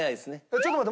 ちょっと待って。